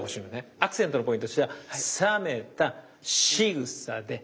アクセントのポイントとしては「覚めたしぐさで『熱く』見ろ」。